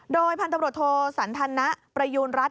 โดยพันธบริโรทโทสันธนะประยูณรัฐ